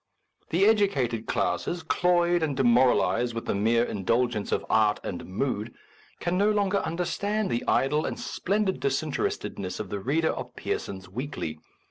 The educated classes, cloyed and demoral ized with the mere indulgence of art and mood, can no longer understand the idle and splendid disinterestedness of the reader of Pearsons Weekly.